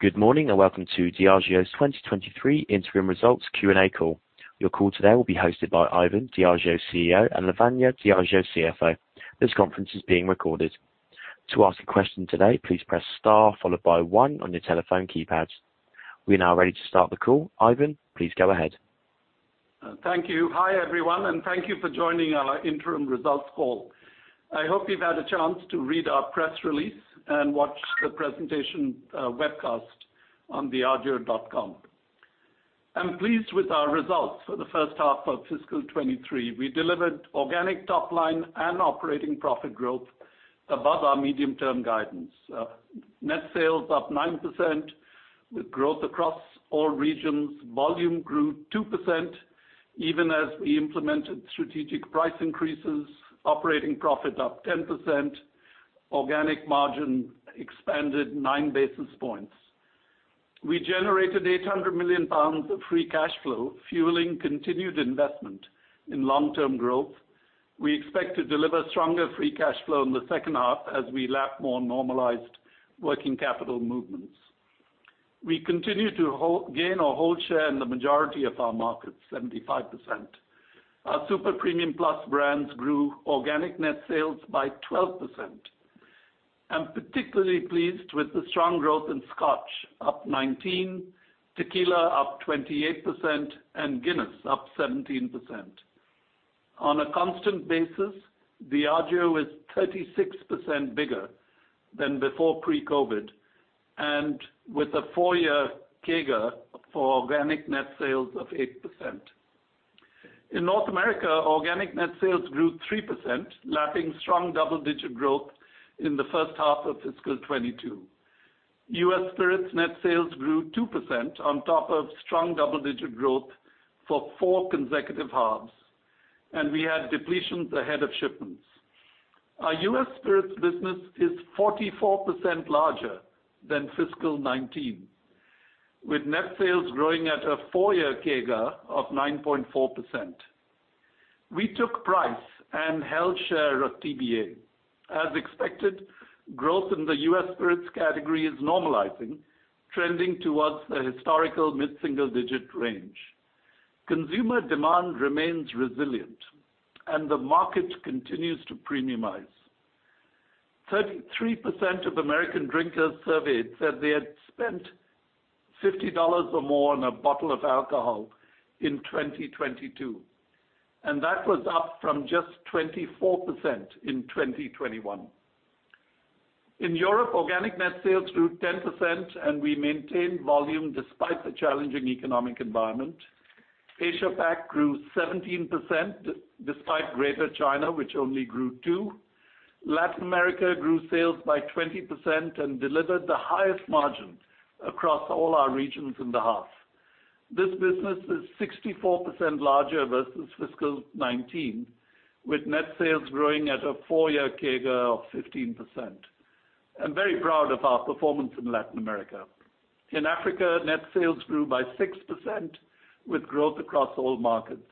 Good morning, welcome to Diageo's 2023 Interim Results Q&A Call. Your call today will be hosted by Ivan, Diageo's CEO, and Lavanya, Diageo's CFO. This conference is being recorded. To ask a question today, please press star followed by 1 on your telephone keypads. We're now ready to start the call. Ivan, please go ahead. Thank you. Hi, everyone, and thank you for joining our interim results call. I hope you've had a chance to read our press release and watch the presentation, webcast on diageo.com. I'm pleased with our results for the first half of fiscal 2023. We delivered organic top line and operating profit growth above our medium-term guidance. Net sales up 9% with growth across all regions. Volume grew 2% even as we implemented strategic price increases. Operating profit up 10%. Organic margin expanded 9 basis points. We generated 800 million pounds of free cash flow, fueling continued investment in long-term growth. We expect to deliver stronger free cash flow in the second half as we lap more normalized working capital movements. We continue to gain our whole share in the majority of our markets, 75%. Our super-premium plus brands grew organic net sales by 12%. I'm particularly pleased with the strong growth in Scotch, up 19%, tequila up 28%, and Guinness up 17%. On a constant basis, Diageo is 36% bigger than before pre-COVID, and with a 4-year CAGR for organic net sales of 8%. In North America, organic net sales grew 3%, lapping strong double-digit growth in the first half of fiscal 2022. US spirits net sales grew 2% on top of strong double-digit growth for four consecutive halves, and we had depletions ahead of shipments. Our US spirits business is 44% larger than fiscal 2019, with net sales growing at a 4-year CAGR of 9.4%. We took price and held share of TBA. As expected, growth in the US spirits category is normalizing, trending towards a historical mid-single-digit range. Consumer demand remains resilient, the market continues to premiumize. 33% of American drinkers surveyed said they had spent $50 or more on a bottle of alcohol in 2022, and that was up from just 24% in 2021. In Europe, organic net sales grew 10%, and we maintained volume despite the challenging economic environment. Asia Pac grew 17% despite Greater China, which only grew 2%. Latin America grew sales by 20% and delivered the highest margin across all our regions in the half. This business is 64% larger versus fiscal '19, with net sales growing at a 4-year CAGR of 15%. I'm very proud of our performance in Latin America. In Africa, net sales grew by 6% with growth across all markets.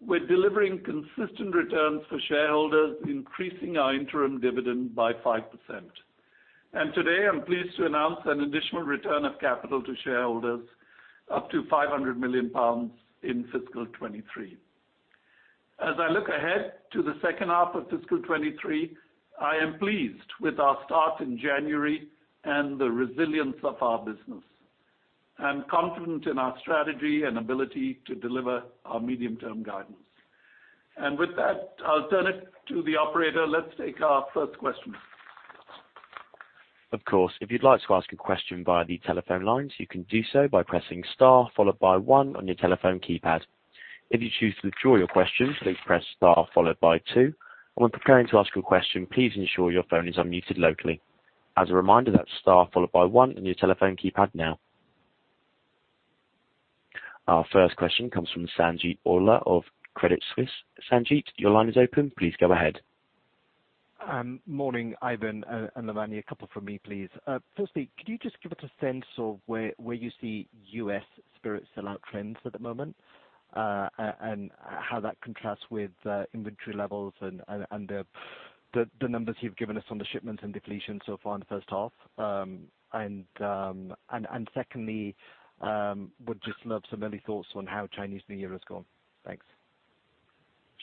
We're delivering consistent returns for shareholders, increasing our interim dividend by 5%. Today, I'm pleased to announce an additional return of capital to shareholders, up to 500 million pounds in fiscal 2023. As I look ahead to the second half of fiscal 2023, I am pleased with our start in January and the resilience of our business. I'm confident in our strategy and ability to deliver our medium-term guidance. With that, I'll turn it to the operator. Let's take our first question. Of course. If you'd like to ask a question via the telephone lines, you can do so by pressing star followed by one on your telephone keypad. If you choose to withdraw your question, please press star followed by two. When preparing to ask your question, please ensure your phone is unmuted locally. As a reminder, that's star followed by one on your telephone keypad now. Our first question comes from Sanjit Ahluwalia of Credit Suisse. Sanjit, your line is open. Please go ahead. Morning, Ivan and Lavanya. A couple from me, please. Firstly, could you just give us a sense of where you see US spirits sell-out trends at the moment, and how that contrasts with inventory levels and the numbers you've given us on the shipments and depletion so far in the first half? Secondly, would just love some early thoughts on how Chinese New Year has gone. Thanks.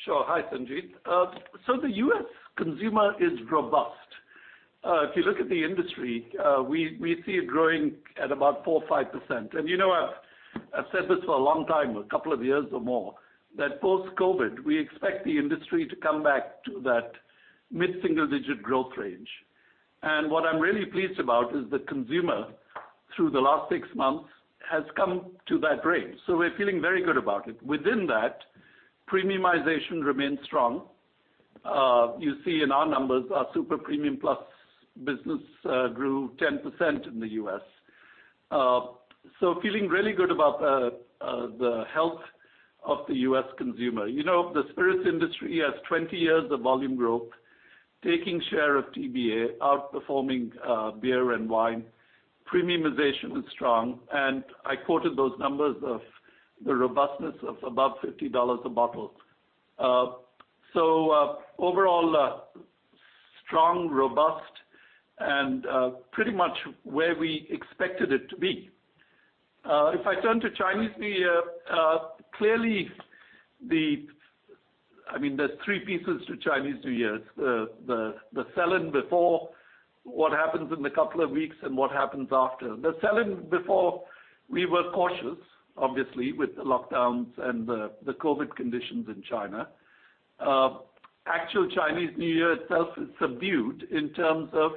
Sure. Hi, Sanjit. The US consumer is robust. If you look at the industry, we see it growing at about 4%, 5%. You know I've said this for a long time, a couple of years or more, that post-COVID, we expect the industry to come back to that mid-single digit growth range. What I'm really pleased about is the consumer, through the last 6 months, has come to that range. We're feeling very good about it. Within that, premiumization remains strong. You see in our numbers, our super-premium plus business grew 10% in the US Feeling really good about the health of the US consumer. You know, the spirits industry has 20 years of volume growth, taking share of TBA, outperforming beer and wine. Premiumization is strong, and I quoted those numbers of the robustness of above $50 a bottle. Overall, strong, robust and pretty much where we expected it to be. If I turn to Chinese New Year, clearly the... I mean, there's 3 pieces to Chinese New Year. The, the sell-in before, what happens in the couple of weeks, and what happens after. The sell-in before we were cautious, obviously with the lockdowns and the COVID conditions in China. Actual Chinese New Year itself is subdued in terms of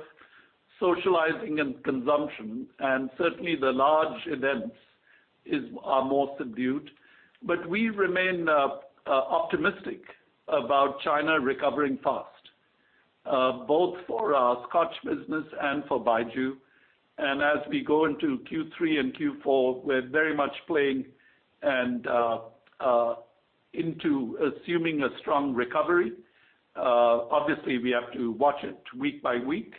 socializing and consumption, and certainly the large events are more subdued. We remain optimistic about China recovering fast, both for our Scotch business and for Baijiu. As we go into Q3 and Q4, we're very much playing and into assuming a strong recovery. obviously we have to watch it week by week,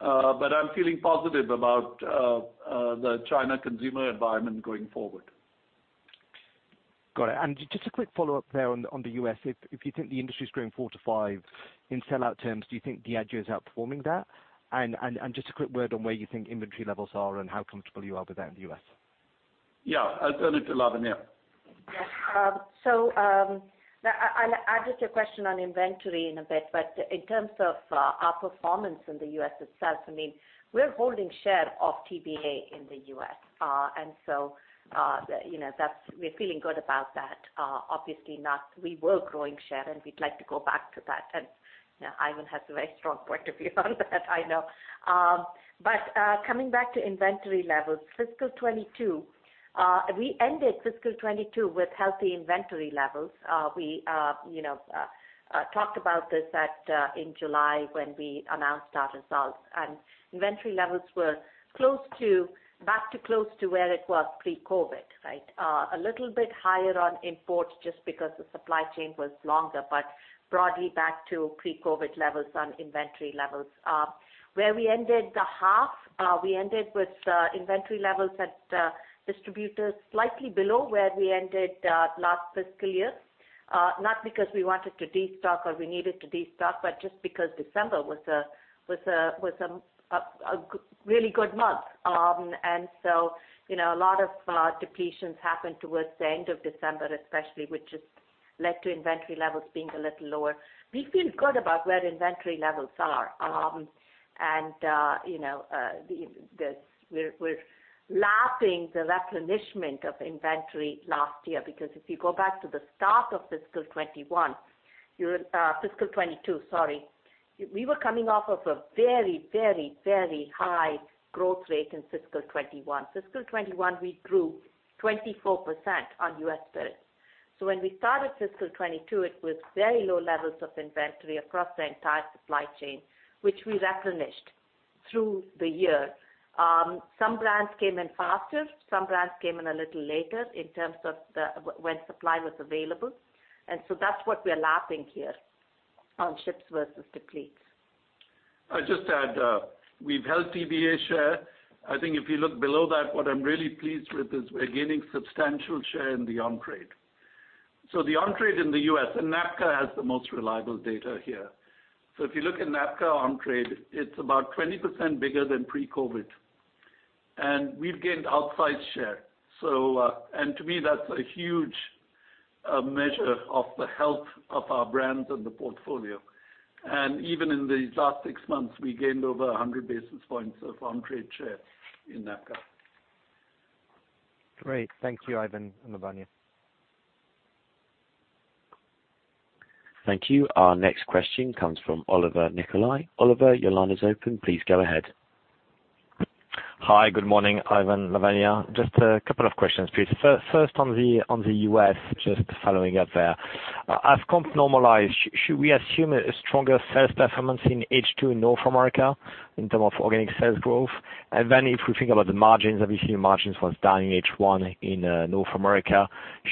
but I'm feeling positive about the China consumer environment going forward. Got it. Just a quick follow-up there on the US If you think the industry is growing 4%-5% in sell-out terms, do you think Diageo is outperforming that? Just a quick word on where you think inventory levels are and how comfortable you are with that in the US Yeah. turn it to Lavanya. Yeah. I'll address your question on inventory in a bit, but in terms of our performance in the US itself, I mean, we're holding share of TBA in the US. You know, that's, we're feeling good about that. Obviously not. We were growing share, we'd like to go back to that. You know, Ivan has a very strong point of view on that, I know. Coming back to inventory levels. Fiscal 22, we ended fiscal 22 with healthy inventory levels. We, you know, talked about this in July when we announced our results. Inventory levels were close to, back to close to where it was pre-COVID, right? A little bit higher on imports just because the supply chain was longer, broadly back to pre-COVID levels on inventory levels. Where we ended the half, we ended with inventory levels at distributors slightly below where we ended last fiscal year. Not because we wanted to destock or we needed to destock, just because December was a really good month. You know, a lot of depletions happened towards the end of December, especially, which has led to inventory levels being a little lower. We feel good about where inventory levels are. You know, the... We're lapping the replenishment of inventory last year, because if you go back to the start of fiscal 21, you're fiscal 22, sorry. We were coming off of a very, very, very high growth rate in fiscal 2021. Fiscal 2021, we grew 24% on US spirits. When we started fiscal 2022, it was very low levels of inventory across the entire supply chain, which we replenished through the year. Some brands came in faster, some brands came in a little later in terms of the when supply was available. That's what we're lapping here on ships versus depletes. I'll just add, we've held TBA share. I think if you look below that, what I'm really pleased with is we're gaining substantial share in the on-trade. The on-trade in the US, and NABCA has the most reliable data here. If you look at NABCA on-trade, it's about 20% bigger than pre-COVID, and we've gained outsized share. And to me that's a huge measure of the health of our brands and the portfolio. Even in these last six months, we gained over 100 basis points of on-trade share in NABCA. Great. Thank you, Ivan and Lavanya. Thank you. Our next question comes from Olivier Nicolai. Oliver, your line is open. Please go ahead. Hi. Good morning, Ivan, Lavanya. Just a couple of questions, please. First on the, on the US, just following up there. As comp normalize, should we assume a stronger sales performance in H2 North America in term of organic sales growth? If we think about the margins, obviously margins was down in H1 in North America.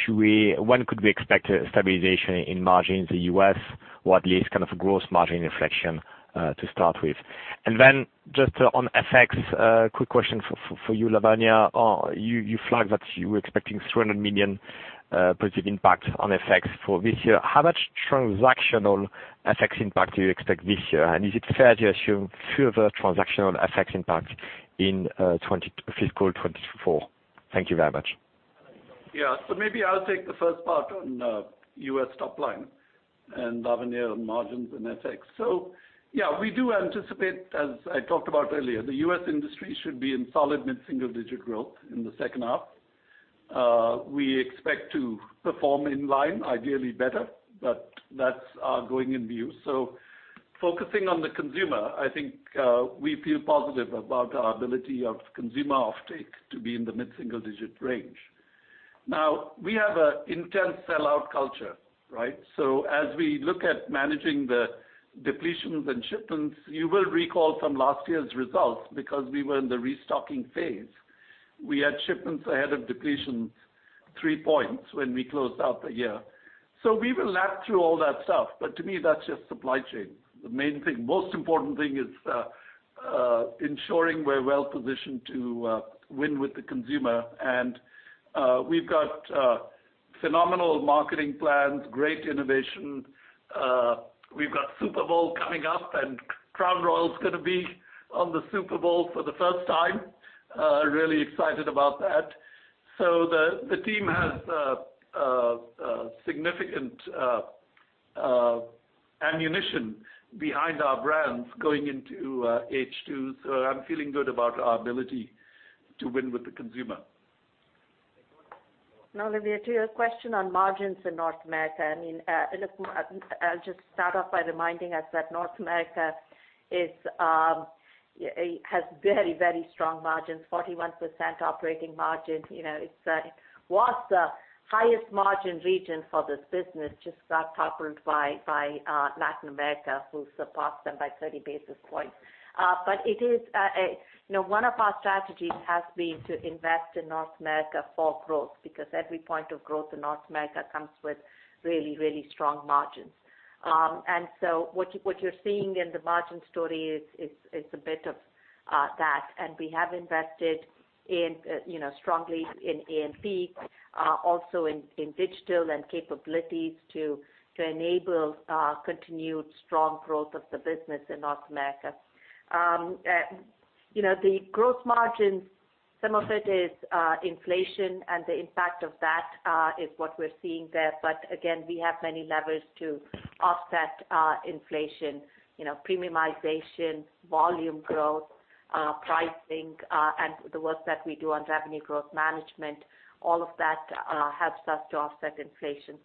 When could we expect a stabilization in margins in the US? What leads kind of a gross margin inflection to start with? Just on FX, a quick question for you, Lavanya. You flagged that you were expecting $300 million positive impact on FX for this year. How much transactional FX impact do you expect this year? Is it fair to assume further transactional FX impact in fiscal 2024? Thank you very much. Maybe I'll take the first part on US top line and Lavanya on margins and FX. We do anticipate, as I talked about earlier, the US industry should be in solid mid-single digit growth in the second half. We expect to perform in line, ideally better, but that's our going in view. Focusing on the consumer, I think, we feel positive about our ability of consumer offtake to be in the mid-single digit range. Now, we have a intense sellout culture, right? As we look at managing the depletions and shipments, you will recall from last year's results, because we were in the restocking phase, we had shipments ahead of depletions 3 points when we closed out the year. We will lap through all that stuff, but to me, that's just supply chain. The main thing, most important thing is, ensuring we're well-positioned to win with the consumer. We've got phenomenal marketing plans, great innovation. We've got Super Bowl coming up, Crown Royal is gonna be on the Super Bowl for the first time. Really excited about that. The team has a significant ammunition behind our brands going into H2. I'm feeling good about our ability to win with the consumer. No, Olivier Nicolai, to your question on margins in North America, I mean, look, I'll just start off by reminding us that North America is, has very, very strong margins, 41% operating margin. You know, it's, was the highest margin region for this business, just got toppled by Latin America, who surpassed them by 30 basis points. It is, you know, one of our strategies has been to invest in North America for growth because every point of growth in North America comes with really, really strong margins. What you're seeing in the margin story is a bit of that. We have invested in, you know, strongly in A&P, also in digital and capabilities to enable continued strong growth of the business in North America. You know, the growth margins, some of it is inflation, the impact of that is what we're seeing there. Again, we have many levers to offset inflation, you know, premiumization, volume growth, pricing, and the work that we do on revenue growth management. All of that helps us to offset inflation.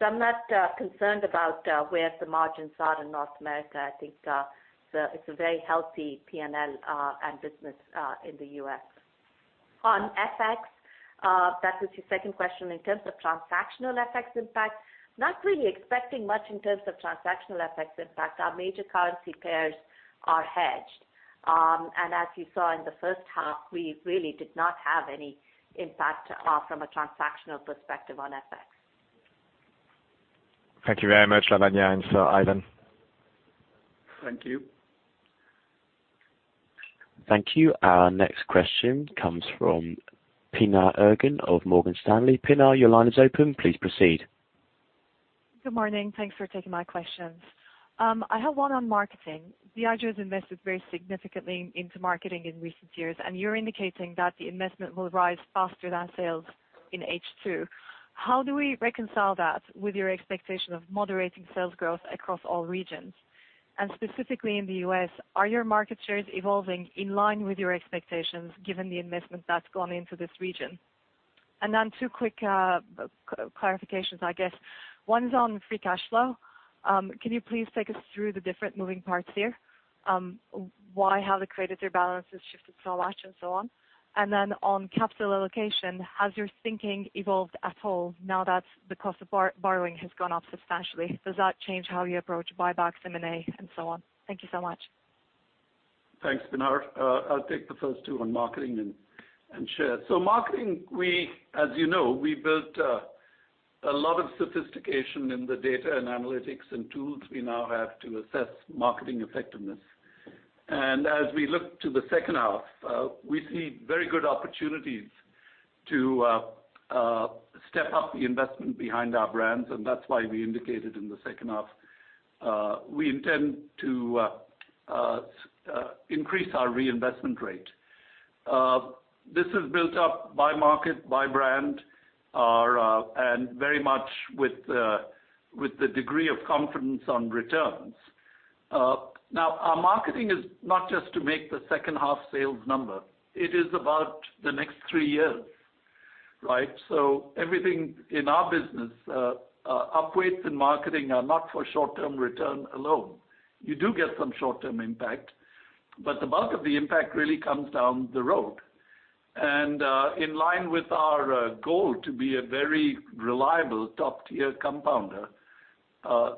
I'm not concerned about where the margins are in North America. I think it's a very healthy P&L and business in the US FX, that was your second question. In terms of transactional FX impact, not really expecting much in terms of transactional FX impact. Our major currency pairs are hedged. As you saw in the first half, we really did not have any impact from a transactional perspective on FX. Thank you very much, Lavanya and Ivan. Thank you. Thank you. Our next question comes from Pinar Ergun of Morgan Stanley. Pinar, your line is open. Please proceed. Good morning. Thanks for taking my questions. I have one on marketing. Diageo has invested very significantly into marketing in recent years, and you're indicating that the investment will rise faster than sales in H2. How do we reconcile that with your expectation of moderating sales growth across all regions? Specifically in the US, are your market shares evolving in line with your expectations given the investment that's gone into this region? Then two quick clarifications, I guess. One is on free cash flow. Can you please take us through the different moving parts here? Why, how the creditor balance has shifted so much and so on? On capital allocation, has your thinking evolved at all now that the cost of borrowing has gone up substantially? Does that change how you approach buybacks, M&A, and so on? Thank you so much. Thanks, Pinar. I'll take the first two on marketing and share. Marketing, we, as you know, we built a lot of sophistication in the data and analytics and tools we now have to assess marketing effectiveness. As we look to the second half, we see very good opportunities to step up the investment behind our brands, and that's why we indicated in the second half, we intend to increase our reinvestment rate. This is built up by market, by brand, and very much with the degree of confidence on returns. Now, our marketing is not just to make the second half sales number. It is about the next three years, right? Everything in our business, upweights in marketing are not for short-term return alone. You do get some short-term impact, the bulk of the impact really comes down the road. In line with our goal to be a very reliable top-tier compounder,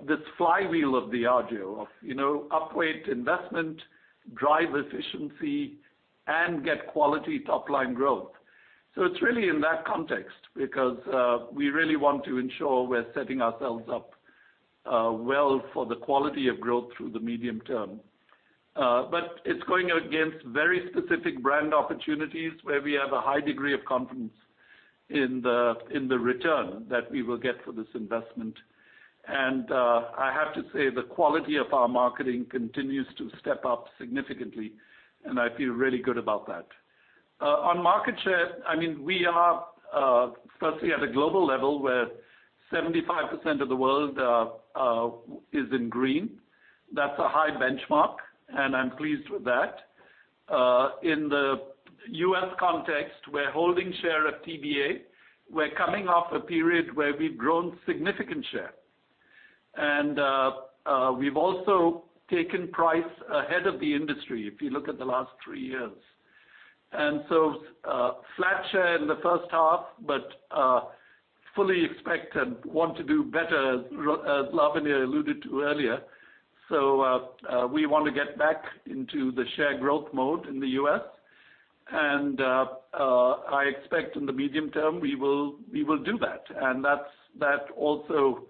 this flywheel of Diageo of, you know, upweight investment, drive efficiency, and get quality top-line growth. It's really in that context because we really want to ensure we're setting ourselves up well for the quality of growth through the medium term. It's going against very specific brand opportunities where we have a high degree of confidence in the return that we will get for this investment. I have to say, the quality of our marketing continues to step up significantly, and I feel really good about that. On market share, I mean, we are firstly at a global level where 75% of the world is in green. That's a high benchmark, and I'm pleased with that. In the US context, we're holding share at TBA. We're coming off a period where we've grown significant share. We've also taken price ahead of the industry, if you look at the last 3 years. Flat share in the first half, but fully expect and want to do better, as Lavanya alluded to earlier. We want to get back into the share growth mode in the US I expect in the medium term we will do that. That also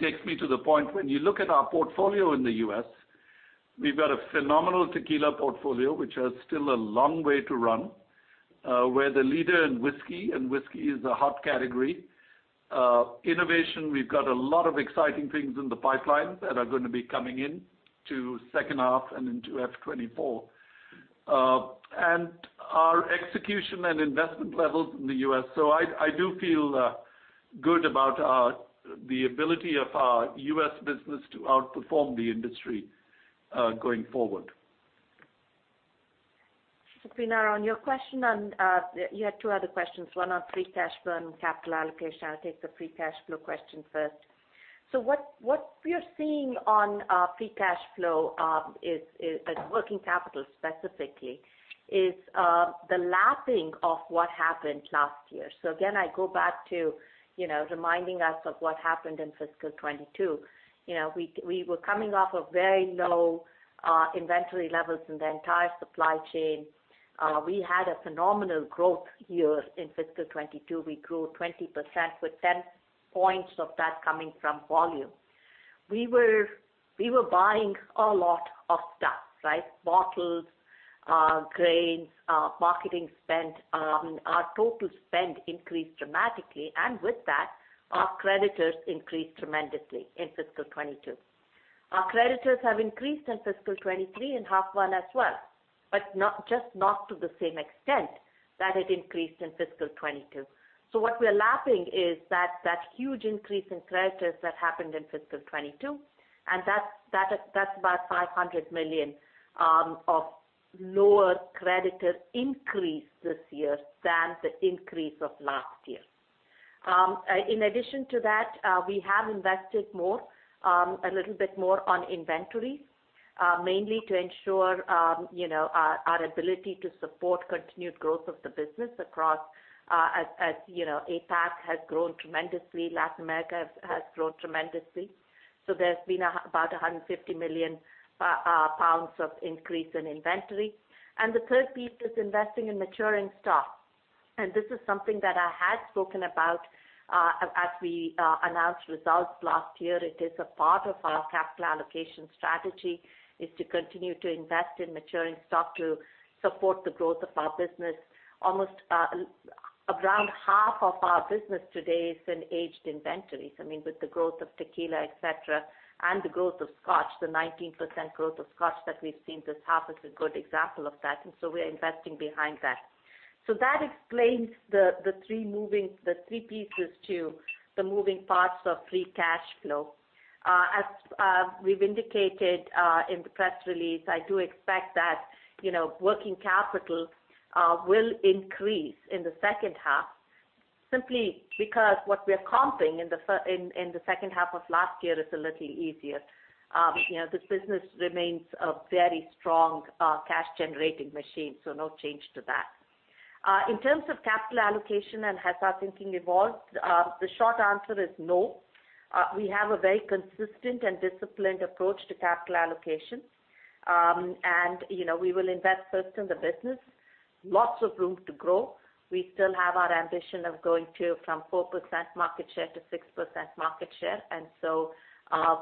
takes me to the point, when you look at our portfolio in the US, we've got a phenomenal tequila portfolio, which has still a long way to run. We're the leader in whiskey, and whiskey is a hot category. Innovation, we've got a lot of exciting things in the pipeline that are gonna be coming in to second half and into F 24. Our execution and investment levels in the US I do feel good about the ability of our US business to outperform the industry going forward. Pinar, on your question on, you had 2 other questions, one on free cash flow and capital allocation. I'll take the free cash flow question first. What we are seeing on free cash flow, is working capital specifically, is the lapping of what happened last year. Again, I go back to, you know, reminding us of what happened in fiscal 2022. You know, we were coming off of very low inventory levels in the entire supply chain. We had a phenomenal growth year in fiscal 2022. We grew 20% with 10 points of that coming from volume. We were buying a lot of stuff, right? Bottles, grains, marketing spend. Our total spend increased dramatically, and with that, our creditors increased tremendously in fiscal 2022. Our creditors have increased in fiscal 23 and half one as well, but not, just not to the same extent that it increased in fiscal 22. What we're lapping is that huge increase in creditors that happened in fiscal 22, and that's about 500 million of lower creditor increase this year than the increase of last year. In addition to that, we have invested more, a little bit more on inventory, mainly to ensure, you know, our ability to support continued growth of the business across, as you know, APAC has grown tremendously, Latin America has grown tremendously. There's been about 150 million pounds of increase in inventory. The third piece is investing in maturing stock. This is something that I had spoken about, as we announced results last year. It is a part of our capital allocation strategy, is to continue to invest in maturing stock to support the growth of our business. Almost around half of our business today is in aged inventories. I mean, with the growth of tequila, et cetera, and the growth of Scotch, the 19% growth of Scotch that we've seen this half is a good example of that. We're investing behind that. That explains the three pieces to the moving parts of free cash flow. As we've indicated in the press release, I do expect that, you know, working capital will increase in the second half simply because what we're comping in the second half of last year is a little easier. You know, this business remains a very strong cash generating machine, no change to that. In terms of capital allocation and has our thinking evolved, the short answer is no. We have a very consistent and disciplined approach to capital allocation. You know, we will invest first in the business. Lots of room to grow. We still have our ambition of going to from 4% market share to 6% market share.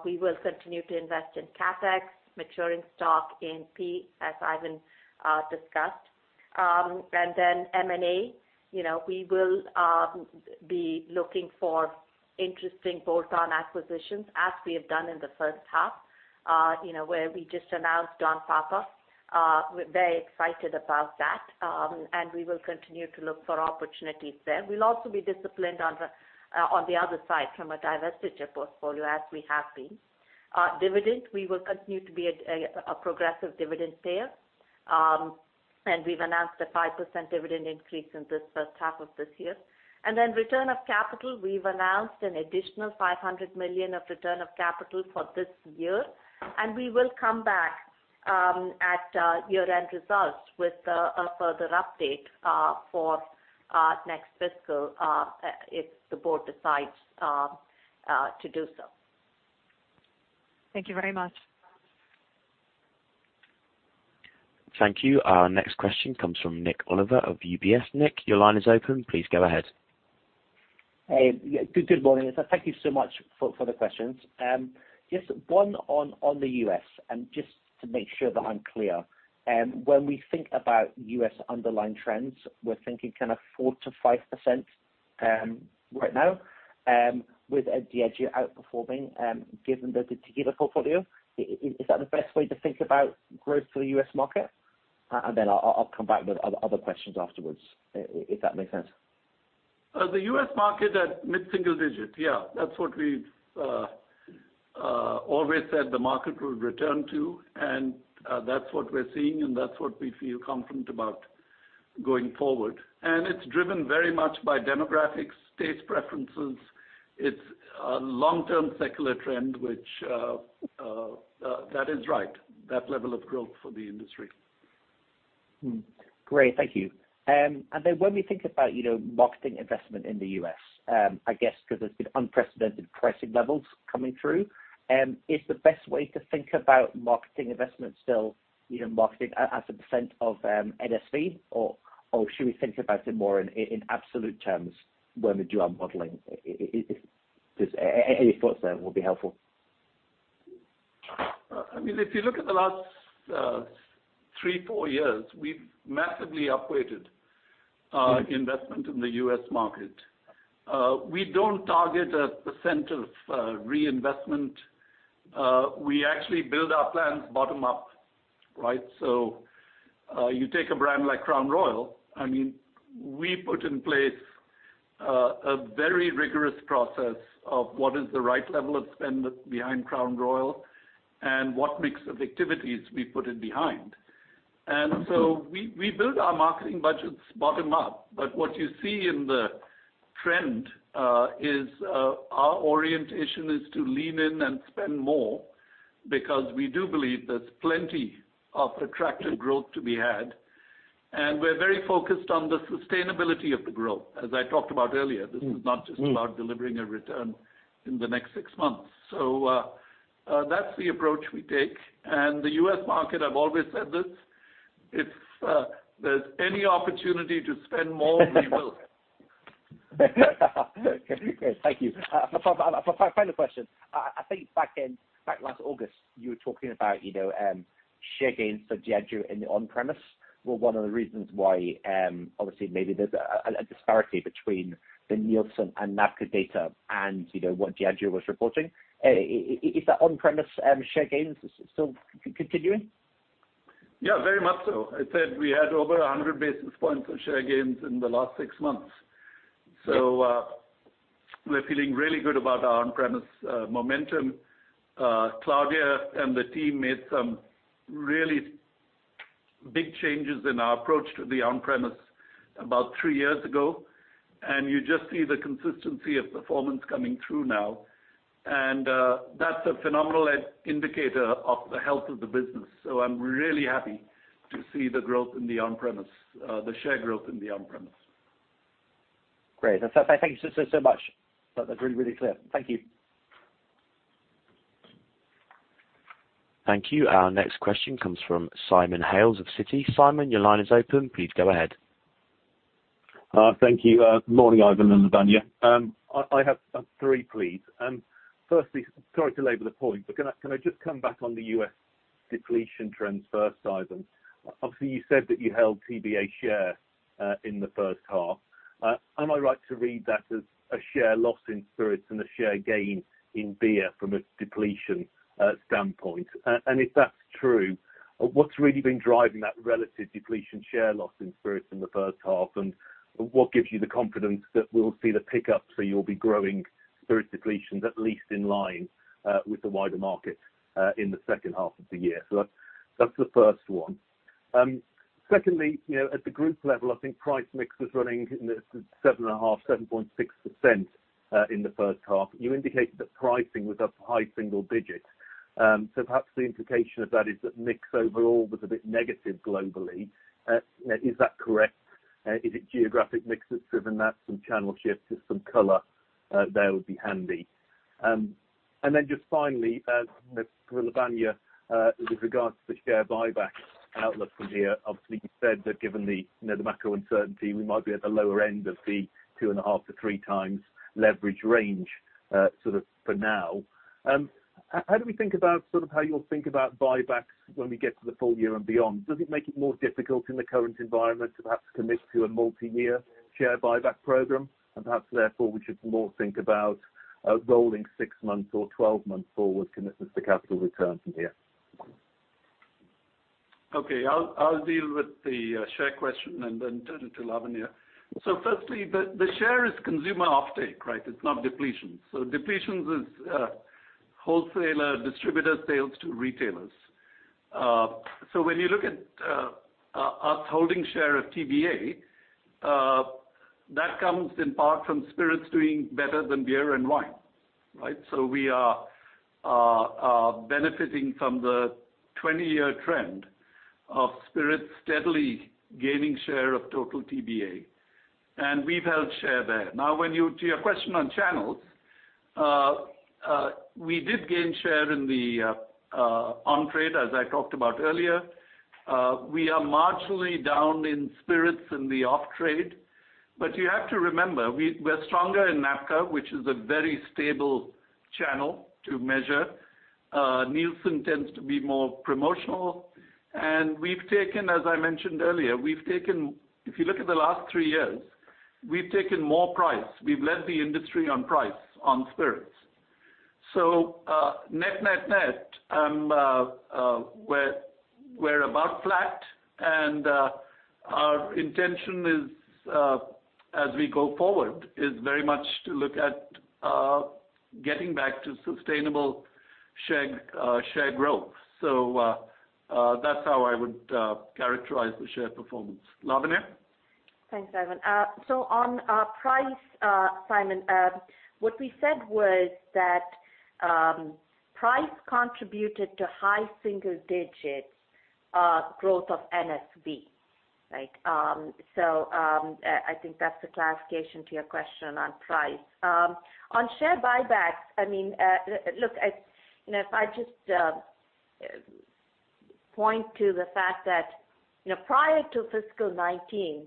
We will continue to invest in CapEx, maturing stock in P, as Ivan discussed. M&A, you know, we will be looking for interesting bolt-on acquisitions, as we have done in the first half, you know, where we just announced Don Papa. We're very excited about that, we will continue to look for opportunities there. We'll also be disciplined on the other side from a divestiture portfolio, as we have been. Dividend, we will continue to be a progressive dividend payer. We've announced a 5% dividend increase in this first half of this year. Return of capital, we've announced an additional 500 million of return of capital for this year, and we will come back at year-end results with a further update for next fiscal if the board decides to do so. Thank you very much. Thank you. Our next question comes from Nik Olive of UBS. Nick, your line is open. Please go ahead. Hey, yeah, good morning. Thank you so much for the questions. Just one on the US, and just to make sure that I'm clear. When we think about US underlying trends, we're thinking kind of 4% to 5%, right now, with edge outperforming, given the Tequila portfolio. Is that the best way to think about growth for the US market? Then I'll come back with other questions afterwards, if that makes sense. The US market at mid-single digit. Yeah. That's what we've always said the market will return to, and that's what we're seeing, and that's what we feel confident about going forward. It's driven very much by demographics, taste preferences. It's a long-term secular trend, which that is right, that level of growth for the industry. Great. Thank you. When we think about, you know, marketing investment in the US, I guess 'cause there's been unprecedented pricing levels coming through, is the best way to think about marketing investments still, you know, marketing as a percent of NSV or should we think about it more in absolute terms when we do our modeling? If there's any thoughts there will be helpful. I mean, if you look at the last three, four years, we've massively upgraded our investment in the US market. We don't target a % of reinvestment. We actually build our plans bottom up, right? You take a brand like Crown Royal, I mean, we put in place a very rigorous process of what is the right level of spend behind Crown Royal and what mix of activities we put in behind. We build our marketing budgets bottom up. What you see in the trend is our orientation is to lean in and spend more because we do believe there's plenty of attractive growth to be had, and we're very focused on the sustainability of the growth. As I talked about earlier, this is not just about delivering a return in the next six months. That's the approach we take. The US market, I've always said this, it's, there's any opportunity to spend more, we will. Okay, great. Thank you. Final question. I think back last August, you were talking about, you know, share gains for Diageo in the on-premise were one of the reasons why, obviously maybe there's a disparity between the Nielsen and NABCA data and, you know, what Diageo was reporting. Is the on-premise share gains still continuing? Yeah, very much so. I said we had over 100 basis points of share gains in the last 6 months. We're feeling really good about our on-premise momentum. Claudia and the team made some really big changes in our approach to the on-premise about 3 years ago, you just see the consistency of performance coming through now. That's a phenomenal indicator of the health of the business. I'm really happy to see the growth in the on-premise, the share growth in the on-premise. Great. Thank you so, so much. That's really, really clear. Thank you. Thank you. Our next question comes from Simon Hales of Citi. Simon, your line is open. Please go ahead. Thank you. Morning, Ivan and Lavanya. I have 3, please. Firstly, sorry to labor the point, can I just come back on the US depletion trends first, Ivan? Obviously, you said that you held TBA share in the first half. Am I right to read that as a share loss in spirits and a share gain in beer from a depletion standpoint? If that's true, what's really been driving that relative depletion share loss in spirits in the first half, and what gives you the confidence that we'll see the pickup, so you'll be growing spirit depletions, at least in line with the wider market in the second half of the year? That's the first one. Secondly, you know, at the group level, I think price mix was running in the 7.5%, 7.6% in the first half. You indicated that pricing was up high single digits. Perhaps the implication of that is that mix overall was a bit negative globally. Is that correct? Is it geographic mix that's driven that, some channel shifts? Just some color there would be handy. Finally, for Lavanya, with regards to the share buyback outlook from here, obviously you said that given the, you know, the macro uncertainty, we might be at the lower end of the 2.5 to 3 times leverage range for now. How do we think about sort of how you'll think about buybacks when we get to the full year and beyond? Does it make it more difficult in the current environment to perhaps commit to a multi-year share buyback program? Perhaps therefore, we should more think about rolling 6 months or 12 months forward commitments to capital return from here. Okay. I'll deal with the share question and then turn it to Lavanya. Firstly, the share is consumer offtake, right? It's not depletion. Depletions is wholesaler, distributor sales to retailers. When you look at us holding share of TBA, that comes in part from spirits doing better than beer and wine, right? We are benefiting from the 20-year trend of spirits steadily gaining share of total TBA. We've held share there. Now, to your question on channels, we did gain share in the on-trade, as I talked about earlier. We are marginally down in spirits in the off-trade. You have to remember, we're stronger in NABCA, which is a very stable channel to measure. Nielsen tends to be more promotional. We've taken, as I mentioned earlier, if you look at the last three years, we've taken more price. We've led the industry on price on spirits. Net-net-net, we're about flat. Our intention is, as we go forward, is very much to look at getting back to sustainable share growth. That's how I would characterize the share performance. Lavanya? Thanks, Ivan. On price, Simon, what we said was that price contributed to high single digits growth of NSV. Right? I think that's the clarification to your question on price. On share buybacks, I mean, you know, if I just point to the fact that, you know, prior to fiscal 19,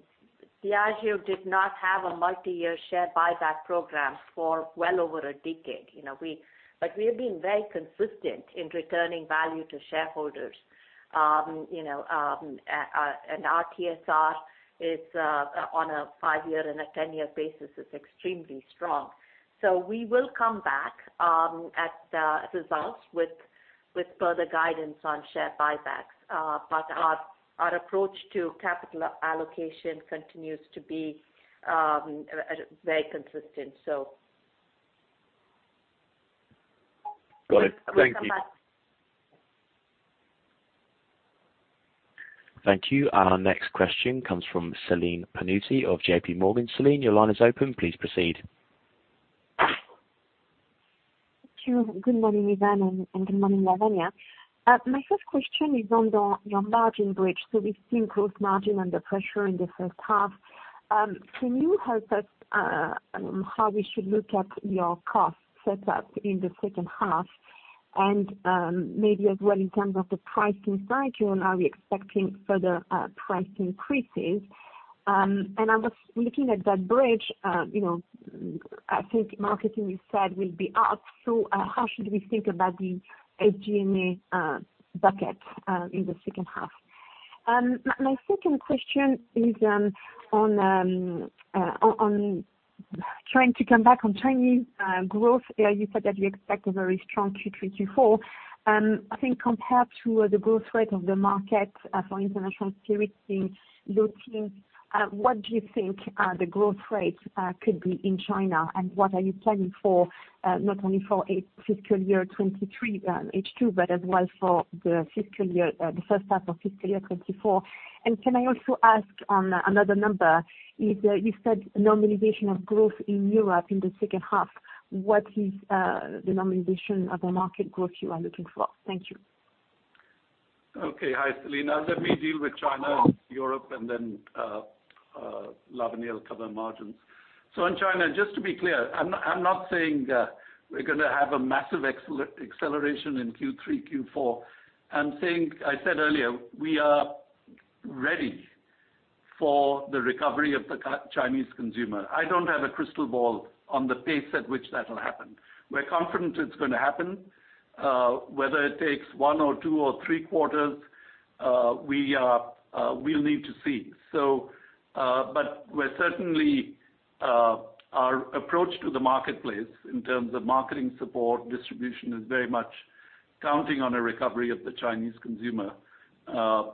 Diageo did not have a multi-year share buyback program for well over a decade. You know, we have been very consistent in returning value to shareholders. You know, and our TSR is on a 5-year and a 10-year basis is extremely strong. We will come back at the results with further guidance on share buybacks. Our, our approach to capital allocation continues to be very consistent, so. Got it. Thank you. We'll come back. Thank you. Our next question comes from Celine Pannuti of JP Morgan. Celine, your line is open. Please proceed. Thank you. Good morning, Ivan, and good morning, Lavanya. My first question is on the, your margin bridge. We've seen growth margin under pressure in the first half. Can you help us on how we should look at your cost set up in the second half? Maybe as well in terms of the price insight, you know, are we expecting further price increases? I was looking at that bridge, you know, I think marketing you said will be up. How should we think about the AGMA bucket in the second half? My second question is on trying to come back on Chinese growth there. You said that you expect a very strong Q3, Q4. o the growth rate of the market for international spirits in your team, what do you think the growth rate could be in China? What are you planning for not only for fiscal year 2023 H2, but as well for the fiscal year, the first half of fiscal year 2024? Can I also ask on another number? If you said normalization of growth in Europe in the second half, what is the normalization of the market growth you are looking for? Thank you Hi, Celine. Let me deal with China, Europe, Lavanya will cover margins. In China, just to be clear, I'm not saying that we're gonna have a massive acceleration in Q3, Q4. I'm saying, I said earlier, we are ready for the recovery of the Chinese consumer. I don't have a crystal ball on the pace at which that'll happen. We're confident it's gonna happen. Whether it takes one or two or three quarters, we'll need to see. We're certainly, our approach to the marketplace in terms of marketing support, distribution, is very much counting on a recovery of the Chinese consumer. The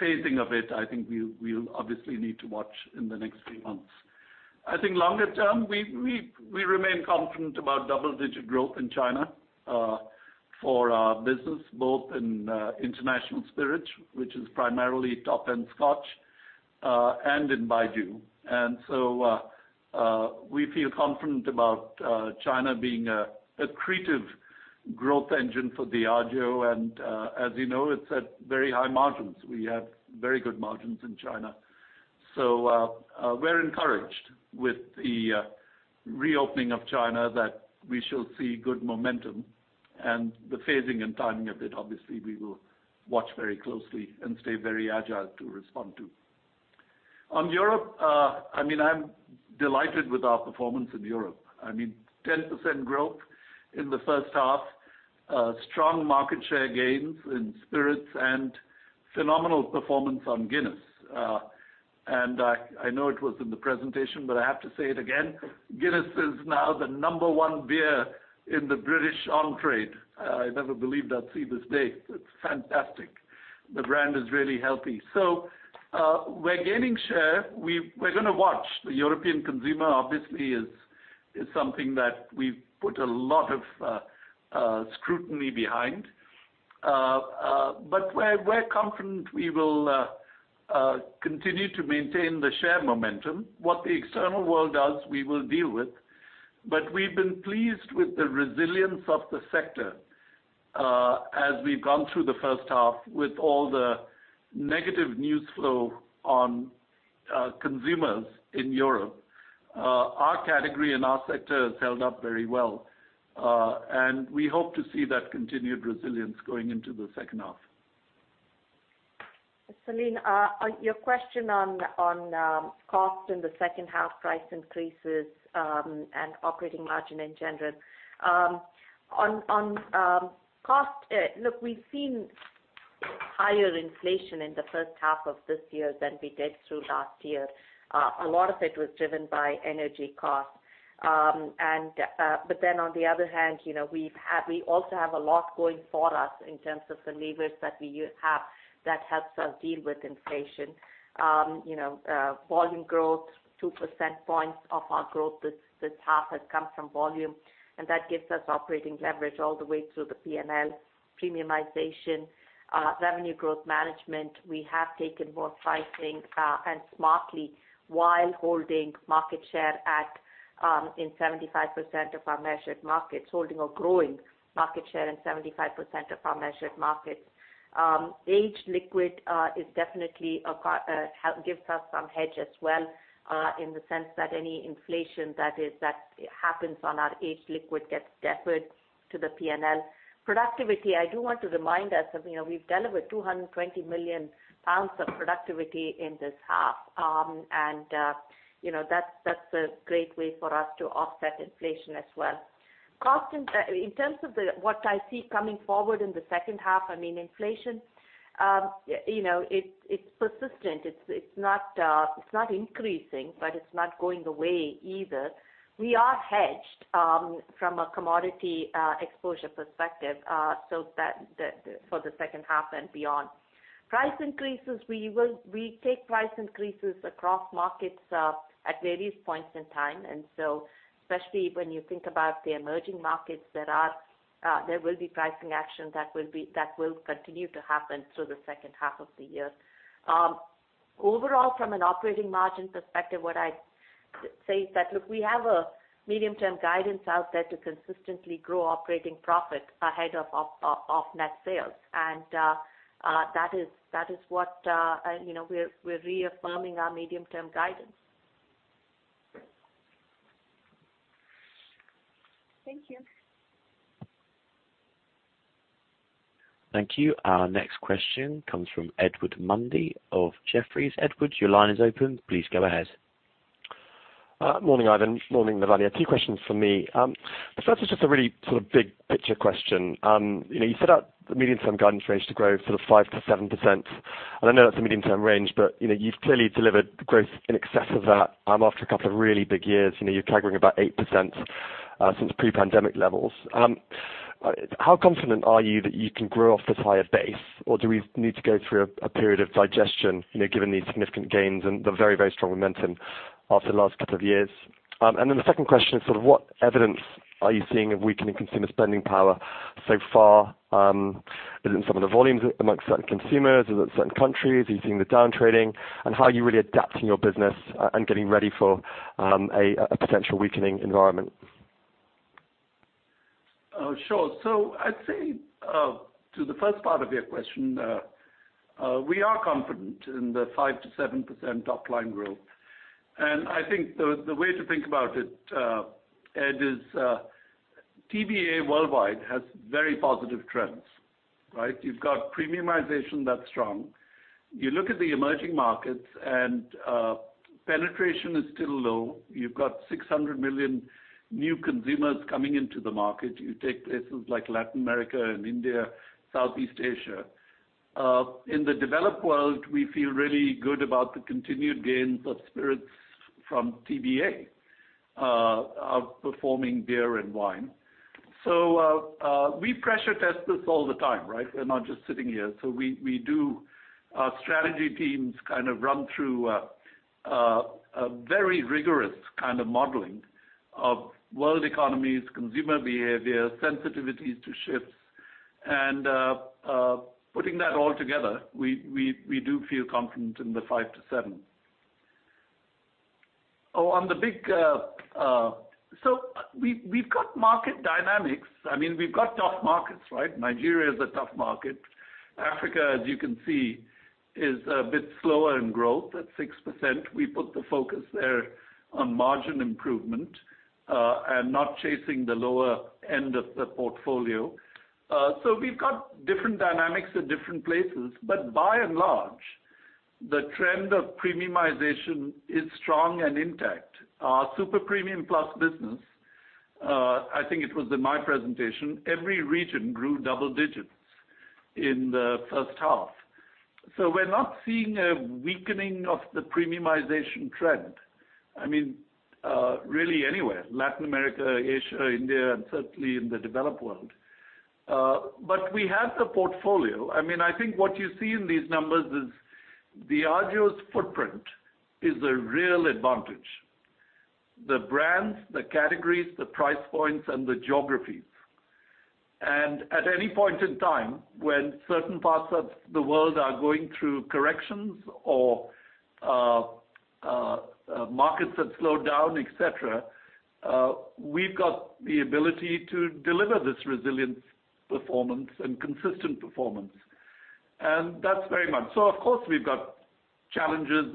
phasing of it, I think we'll obviously need to watch in the next few months. I think longer term, we remain confident about double-digit growth in China for our business, both in international spirits, which is primarily top-end Scotch, and in Baijiu. We feel confident about China being a accretive growth engine for Diageo. As you know, it's at very high margins. We have very good margins in China. We're encouraged with the reopening of China that we shall see good momentum. The phasing and timing of it, obviously, we will watch very closely and stay very agile to respond to. On Europe, I mean, I'm delighted with our performance in Europe. I mean, 10% growth in the first half, strong market share gains in spirits, and phenomenal performance on Guinness. I know it was in the presentation, but I have to say it again. Guinness is now the number one beer in the British on-trade. I never believed I'd see this day. It's fantastic. The brand is really healthy. We're gaining share. We're gonna watch. The European consumer obviously is something that we've put a lot of scrutiny behind. We're confident we will continue to maintain the share momentum. What the external world does, we will deal with. We've been pleased with the resilience of the sector as we've gone through the first half with all the negative news flow on consumers in Europe. Our category and our sector has held up very well. We hope to see that continued resilience going into the second half. Celine, on your question on cost in the second half, price increases, and operating margin in general. On cost, look, we've seen higher inflation in the first half of this year than we did through last year. A lot of it was driven by energy costs. On the other hand, you know, we also have a lot going for us in terms of the levers that we have that helps us deal with inflation. You know, volume growth, 2 percentage points of our growth this half has come from volume, and that gives us operating leverage all the way through the P&L. Premiumization, revenue growth management, we have taken more pricing, and smartly while holding market share at, in 75% of our measured markets, holding or growing market share in 75% of our measured markets. Aged liquid is definitely a help gives us some hedge as well, in the sense that any inflation that happens on our aged liquid gets deferred to the P&L. Productivity, I do want to remind us of, you know, we've delivered 220 million pounds of productivity in this half. And, you know, that's a great way for us to offset inflation as well. Cost in terms of what I see coming forward in the second half, I mean, inflation, you know, it's persistent. It's, it's not, it's not increasing, but it's not going away either. We are hedged from a commodity exposure perspective, so that for the second half and beyond. Price increases, we will... We take price increases across markets at various points in time. Especially when you think about the emerging markets, there are there will be pricing action that will continue to happen through the second half of the year. Overall, from an operating margin perspective, what I'd say is that, look, we have a medium-term guidance out there to consistently grow operating profit ahead of net sales. That is what, you know, we're reaffirming our medium-term guidance. Thank you. Thank you. Our next question comes from Edward Mundy of Jefferies. Edward, your line is open. Please go ahead. Morning, Ivan. Morning, Lavanya. Two questions from me. The first is just a really sort of big picture question. You know, you set out the medium-term guidance range to grow sort of 5% to 7%. I know that's a medium-term range, but, you know, you've clearly delivered growth in excess of that after a couple of really big years. You know, you're CAGR-ing about 8% since pre-pandemic levels. How confident are you that you can grow off this higher base? Do we need to go through a period of digestion, you know, given these significant gains and the very, very strong momentum after the last couple of years? The second question is sort of what evidence are you seeing of weakening consumer spending power so far, is it in some of the volumes amongst certain consumers? Is it certain countries? Are you seeing the downtrading? How are you really adapting your business and getting ready for a potential weakening environment? Sure. I'd say, to the first part of your question, we are confident in the 5% to 7% top-line growth. I think the way to think about it, Edward, is TBA worldwide has very positive trends, right? You've got premiumization that's strong. You look at the emerging markets and penetration is still low. You've got 600 million new consumers coming into the market. You take places like Latin America and India, Southeast Asia. In the developed world, we feel really good about the continued gains of spirits from TBA outperforming beer and wine. We pressure test this all the time, right? We're not just sitting here. We do strategy teams kind of run through a very rigorous kind of modeling of world economies, consumer behavior, sensitivities to shifts. Putting that all together, we do feel confident in the 5% to 7%. On the big... We've got market dynamics. I mean, we've got tough markets, right? Nigeria is a tough market. Africa, as you can see, is a bit slower in growth at 6%. We put the focus there on margin improvement, and not chasing the lower end of the portfolio. We've got different dynamics at different places, but by and large, the trend of premiumization is strong and intact. Our super-premium plus business, I think it was in my presentation, every region grew double digits in the first half. We're not seeing a weakening of the premiumization trend, I mean, really anywhere, Latin America, Asia, India, and certainly in the developed world. We have the portfolio. I mean, I think what you see in these numbers is Diageo's footprint is a real advantage. The brands, the categories, the price points, and the geographies. At any point in time, when certain parts of the world are going through corrections or markets have slowed down, et cetera, we've got the ability to deliver this resilient performance and consistent performance. And that's very much. Of course, we've got challenges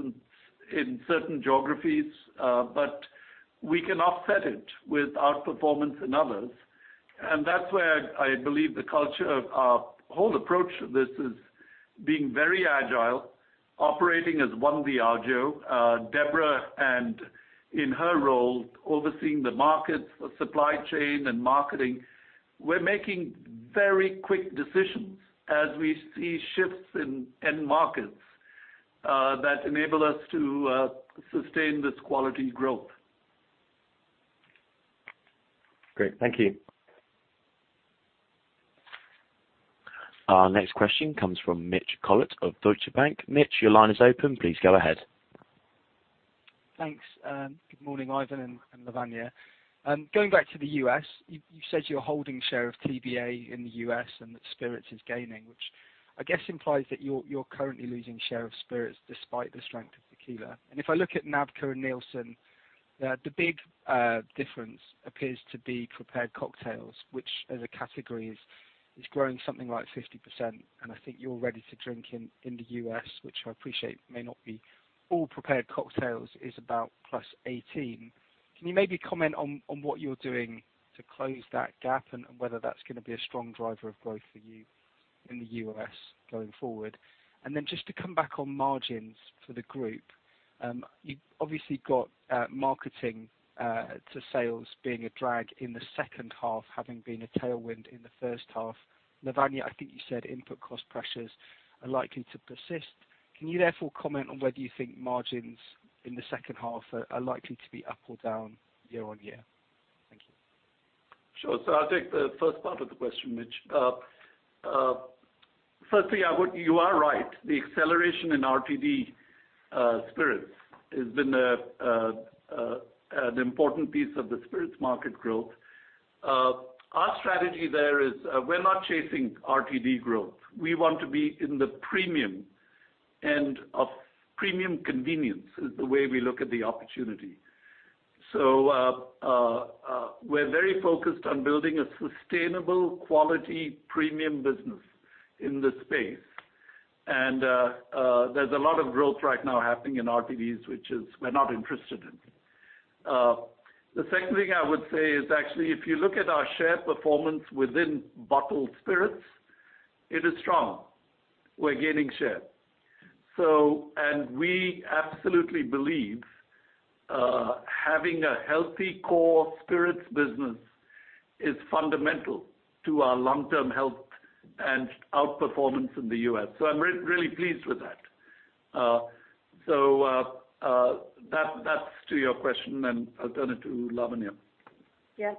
in certain geographies, but we can offset it with outperformance in others. That's where I believe the culture of our whole approach to this is being very agile operating as one Diageo, Debra, and in her role overseeing the markets for supply chain and marketing, we're making very quick decisions as we see shifts in end markets that enable us to sustain this quality growth. Great. Thank you. Our next question comes from Mitch Collett of Deutsche Bank. Mitch, your line is open. Please go ahead. Thanks. Good morning, Ivan and Lavanya. Going back to the US, you said you're holding share of TBA in the US, and that spirits is gaining, which I guess implies that you're currently losing share of spirits despite the strength of tequila. If I look at NABCO and Nielsen, the big difference appears to be prepared cocktails, which as a category is growing something like 50%. I think your ready-to-drink in the US, which I appreciate may not be all prepared cocktails, is about +18%. Can you maybe comment on what you're doing to close that gap and whether that's gonna be a strong driver of growth for you in the US going forward? Just to come back on margins for the group. You've obviously got marketing to sales being a drag in the second half, having been a tailwind in the first half. Lavanya, I think you said input cost pressures are likely to persist. Can you therefore comment on whether you think margins in the second half are likely to be up or down year-on-year? Thank you. Sure. I'll take the first part of the question, Mitch. Firstly, you are right. The acceleration in RTD spirits has been an important piece of the spirits market growth. Our strategy there is we're not chasing RTD growth. We want to be in the premium end of. Premium convenience is the way we look at the opportunity. We're very focused on building a sustainable quality premium business in this space. There's a lot of growth right now happening in RTDs, which is we're not interested in. The second thing I would say is actually if you look at our share performance within bottled spirits, it is strong. We're gaining share. We absolutely believe, having a healthy core spirits business is fundamental to our long-term health and outperformance in the US I'm really pleased with that. That's to your question, and I'll turn it to Lavanya. Yes.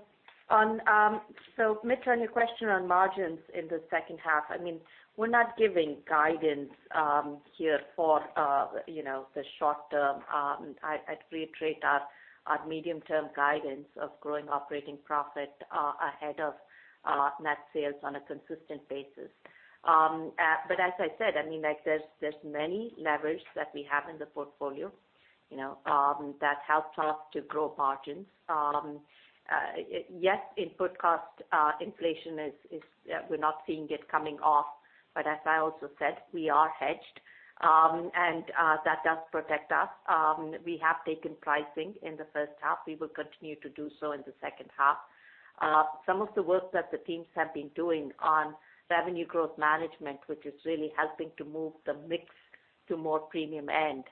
Mitch, on your question on margins in the second half, I mean, we're not giving guidance here for, you know, the short term. I'd reiterate our medium-term guidance of growing operating profit ahead of net sales on a consistent basis. As I said, I mean, like, there's many levers that we have in the portfolio, you know, that helped us to grow margins. Yes, input cost inflation is, we're not seeing it coming off, but as I also said, we are hedged. And that does protect us. We have taken pricing in the first half. We will continue to do so in the second half. Some of the work that the teams have been doing on revenue growth management, which is really helping to move the mix to more super-premium end,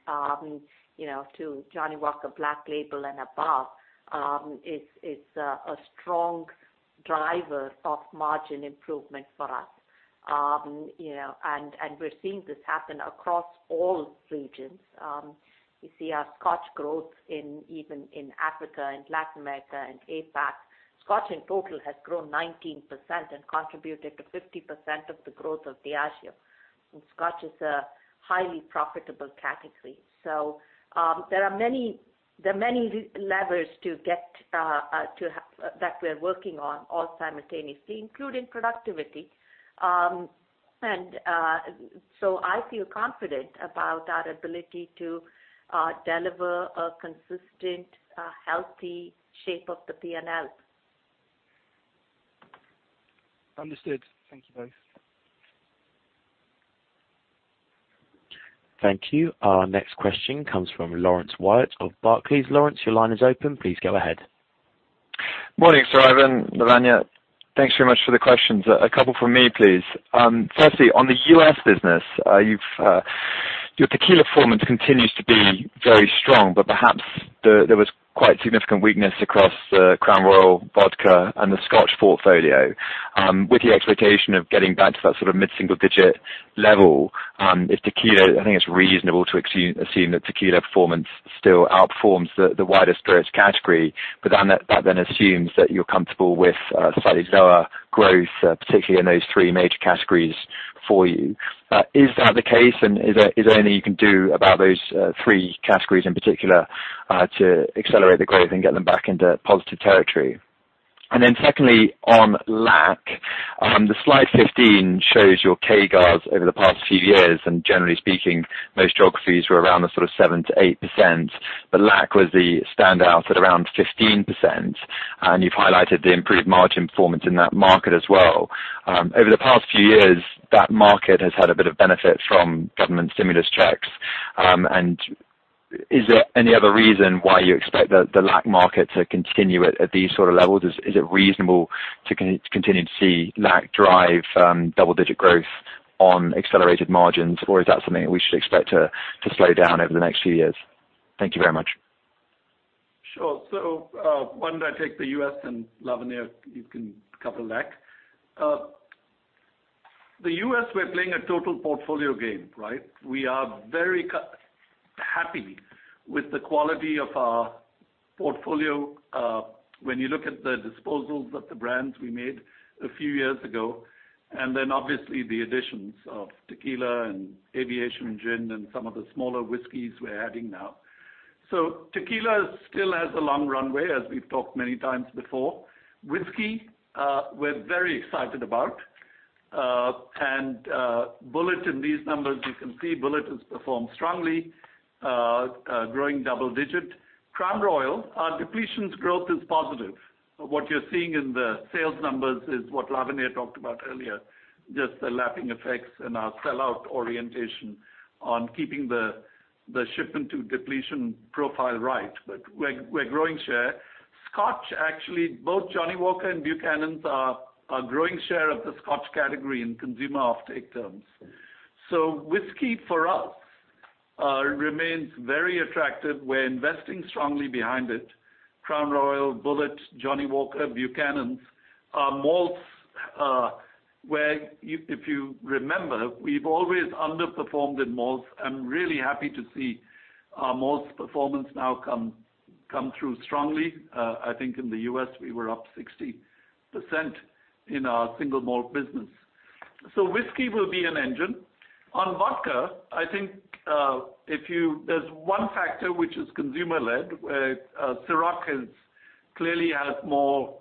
you know, to Johnnie Walker Black Label and above, is a strong driver of margin improvement for us. You know, we're seeing this happen across all regions. You see our Scotch growth in, even in Africa and Latin America and APAC. Scotch in total has grown 19% and contributed to 50% of the growth of Diageo. Scotch is a highly profitable category. There are many levers to get, to have, that we're working on all simultaneously, including productivity. I feel confident about our ability to deliver a consistent, healthy shape of the P&L. Understood. Thank you both. Thank you. Our next question comes from Laurence Whyatt of Barclays. Laurence, your line is open. Please go ahead. Morning, Sir Ivan, Lavanya. Thanks very much for the questions. A couple from me, please. Firstly, on the US business, you've your tequila performance continues to be very strong, but perhaps there was quite significant weakness across the Crown Royal vodka and the Scotch portfolio. With the expectation of getting back to that sort of mid-single digit level, is tequila? I think it's reasonable to assume that tequila performance still outperforms the wider spirits category, that assumes that you're comfortable with slightly lower growth, particularly in those 3 major categories for you. Is that the case? Is there anything you can do about those 3 categories in particular, to accelerate the growth and get them back into positive territory? Secondly, on LAC, the slide 15 shows your CAGRs over the past few years. Generally speaking, most geographies were around the 7%-8%, but LAC was the standout at around 15%. You've highlighted the improved margin performance in that market as well. Over the past few years, that market has had a bit of benefit from government stimulus checks. Is there any other reason why you expect the LAC market to continue at these sort of levels? Is it reasonable to continue to see LAC drive, double-digit growth on accelerated margins? Or is that something we should expect to slow down over the next few years? Thank you very much. Sure. Why don't I take the US, and Lavanya, you can cover LAC. The US, we're playing a total portfolio game, right? We are very happy with the quality of our portfolio, when you look at the disposals of the brands we made a few years ago, and then obviously the additions of tequila and Aviation gin and some of the smaller whiskeys we're adding now. Tequila still has a long runway, as we've talked many times before. whiskey, we're very excited about. Bulleit, in these numbers, you can see Bulleit has performed strongly, growing double-digit. Crown Royal, our depletions growth is positive. What you're seeing in the sales numbers is what Lavanya talked about earlier, just the lapping effects and our sellout orientation on keeping the shipment to depletion profile right. We're growing share. Scotch, actually, both Johnnie Walker and Buchanan's are growing share of the Scotch category in consumer offtake terms. Whiskey, for us, remains very attractive. We're investing strongly behind it. Crown Royal, Bulleit, Johnnie Walker, Buchanan's. Our malts, where if you remember, we've always underperformed in malts. I'm really happy to see our malts performance now come through strongly. I think in the US, we were up 60% in our single malt business. Whiskey will be an engine. On vodka, I think, there's one factor, which is consumer-led, Cîroc clearly has more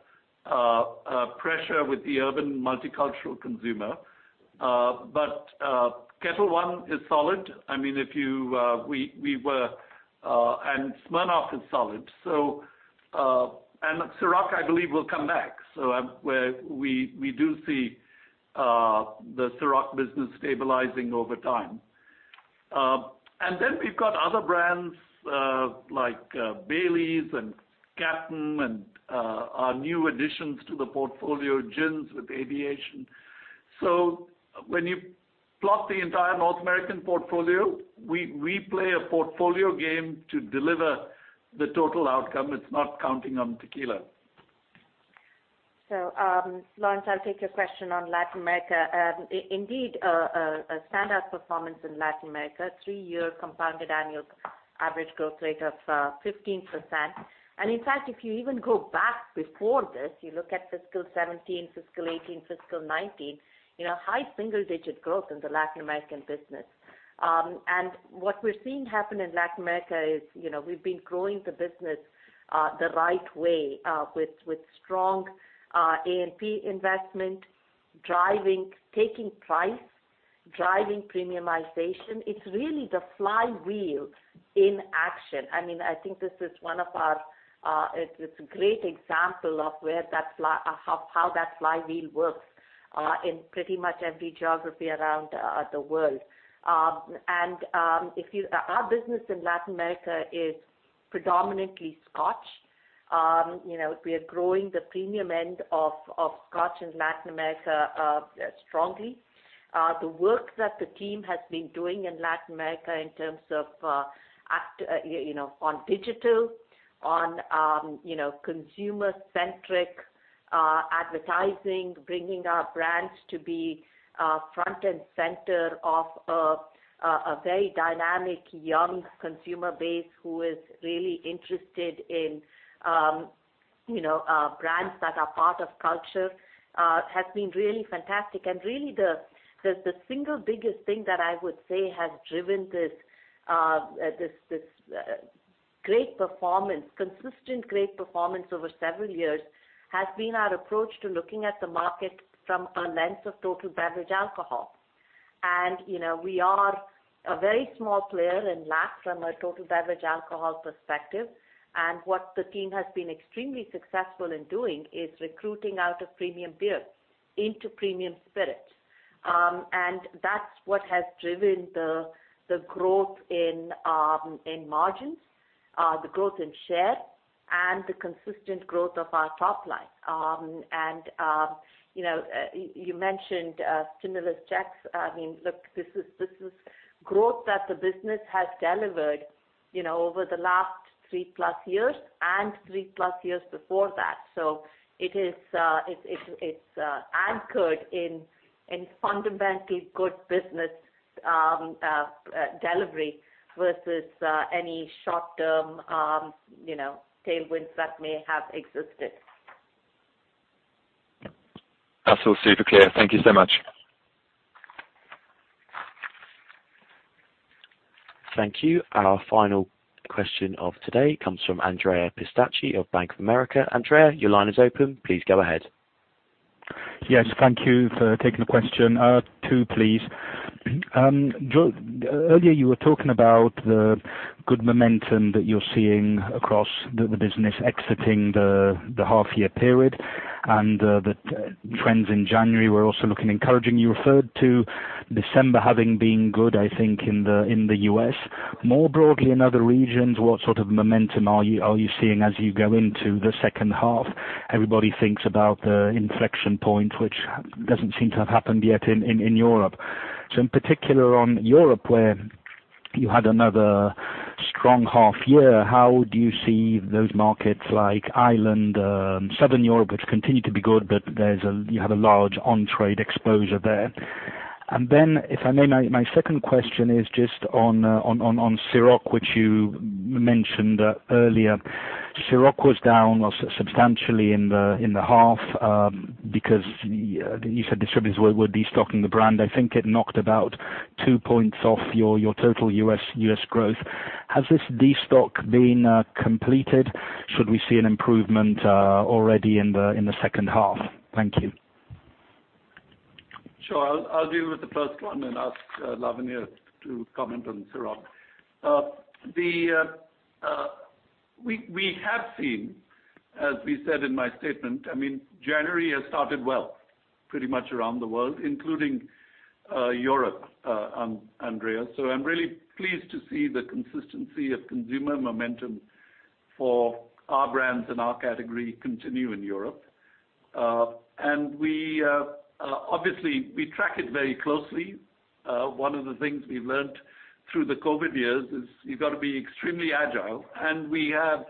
pressure with the urban multicultural consumer. Ketel One is solid. I mean, Smirnoff is solid. Cîroc, I believe, will come back. Where we do see the Cîroc business stabilizing over time. We've got other brands like Baileys and Captain, and our new additions to the portfolio, gins with Aviation. When you plot the entire North American portfolio, we play a portfolio game to deliver the total outcome. It's not counting on tequila. Laurence, I'll take your question on Latin America. Indeed, a standout performance in Latin America, three-year compounded annual average growth rate of 15%. In fact, if you even go back before this, you look at fiscal 2017, fiscal 2018, fiscal 2019, you know, high single digit growth in the Latin American business. What we're seeing happen in Latin America is, you know, we've been growing the business the right way with strong A&P investment, driving, taking price, driving premiumization. It's really the flywheel in action. I mean, I think this is one of our. It's a great example of where that flywheel works in pretty much every geography around the world. Our business in Latin America is predominantly Scotch. You know, we are growing the premium end of Scotch in Latin America strongly. The work that the team has been doing in Latin America in terms of, you know, on digital, on, you know, consumer-centric advertising, bringing our brands to be front and center of a very dynamic, young consumer base who is really interested in, you know, brands that are part of culture, has been really fantastic. Really, the single biggest thing that I would say has driven this great performance, consistent great performance over several years, has been our approach to looking at the market from a lens of total beverage alcohol. You know, we are a very small player in LAC from a total beverage alcohol perspective. What the team has been extremely successful in doing is recruiting out of premium beer into premium spirits. That's what has driven the growth in margins, the growth in share, and the consistent growth of our top line. You know, you mentioned stimulus checks. I mean, look, this is growth that the business has delivered, you know, over the last 3+ years, and 3+ years before that. It's anchored in fundamentally good business delivery versus any short-term, you know, tailwinds that may have existed. That's all super clear. Thank you so much. Thank you. Our final question of today comes from Andrea Pistacchi of Bank of America. Andrea, your line is open. Please go ahead. Yes. Thank you for taking the question. 2 please. Earlier you were talking about the good momentum that you're seeing across the business exiting the half year period. The trends in January were also looking encouraging. You referred to December having been good, I think, in the US More broadly in other regions, what sort of momentum are you seeing as you go into the second half? Everybody thinks about the inflection point, which doesn't seem to have happened yet in Europe. In particular on Europe, where you had another strong half year, how do you see those markets like Ireland, Southern Europe, which continue to be good, but there's a. You have a large on-trade exposure there. If I may, my second question is just on Cîroc, which you mentioned earlier. Cîroc was down substantially in the half because you said distributors were destocking the brand. I think it knocked about two points off your total US growth. Has this destock been completed? Should we see an improvement already in the second half? Thank you. Sure. I'll deal with the first one and ask Lavanya to comment on Cîroc. We have seen, as we said in my statement, I mean, January has started well pretty much around the world, including Europe, Andrea. I'm really pleased to see the consistency of consumer momentum for our brands and our category continue in Europe. We obviously track it very closely. One of the things we've learned through the COVID years is you've got to be extremely agile, and we have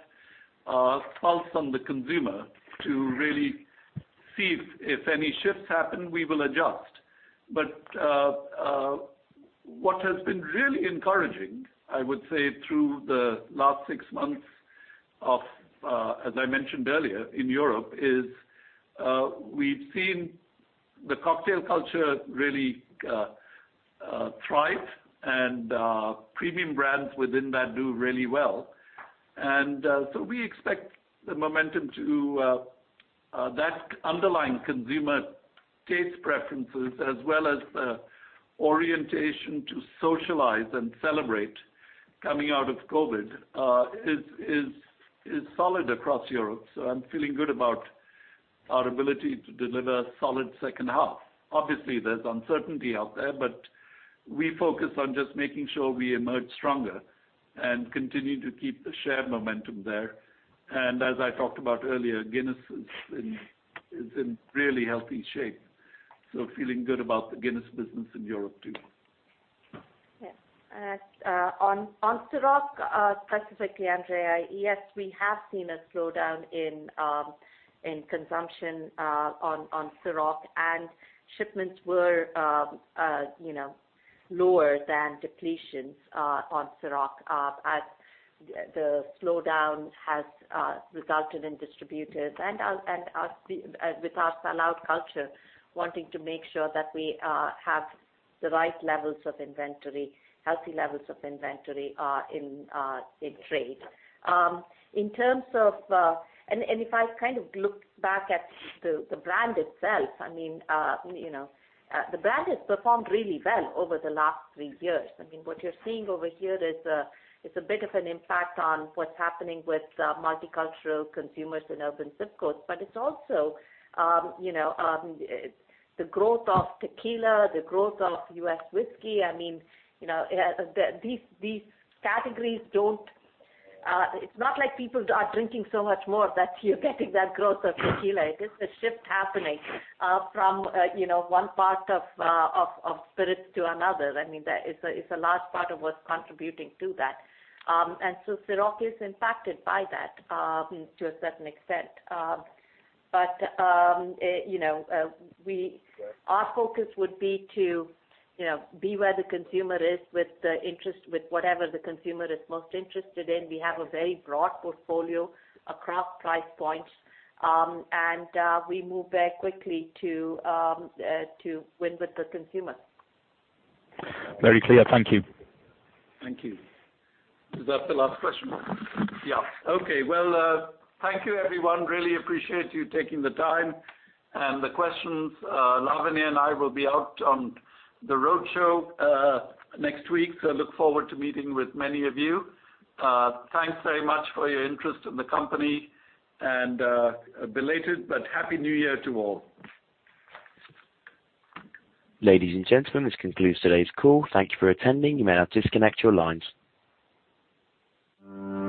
a pulse on the consumer to really see if any shifts happen, we will adjust. What has been really encouraging, I would say through the last six months of, as I mentioned earlier, in Europe, is we've seen the cocktail culture really thrive and premium brands within that do really well. We expect the momentum to that underlying consumer taste preferences as well as the orientation to socialize and celebrate coming out of COVID, is solid across Europe. I'm feeling good about our ability to deliver a solid second half. Obviously, there's uncertainty out there, but we focus on just making sure we emerge stronger and continue to keep the share momentum there. As I talked about earlier, Guinness is in really healthy shape. Feeling good about the Guinness business in Europe too. Yeah. On Cîroc, specifically, Andreas, yes, we have seen a slowdown in consumption on Cîroc. Shipments were, you know, lower than depletions on Cîroc, as the slowdown has resulted in distributors and our, as with our sellout culture, wanting to make sure that we have the right levels of inventory, healthy levels of inventory, in trade. In terms of... If I kind of look back at the brand itself, I mean, you know, the brand has performed really well over the last three years. I mean, what you're seeing over here is a bit of an impact on what's happening with multicultural consumers in urban ZIP codes. It's also, you know, the growth of tequila, the growth of US whiskey. I mean, you know, the, these categories don't. It's not like people are drinking so much more that you're getting that growth of tequila. It's a shift happening, from, you know, one part of spirits to another. I mean, that is a large part of what's contributing to that. Cîroc is impacted by that, to a certain extent. You know, Sure. Our focus would be to, you know, be where the consumer is with the interest, with whatever the consumer is most interested in. We have a very broad portfolio across price points. We move very quickly to win with the consumer. Very clear. Thank you. Thank you. Is that the last question? Yeah. Okay. Thank you everyone. Really appreciate you taking the time and the questions. Lavanya and I will be out on the roadshow next week. Look forward to meeting with many of you. Thanks very much for your interest in the company and a belated but happy New Year to all. Ladies and gentlemen, this concludes today's call. Thank you for attending. You may now disconnect your lines.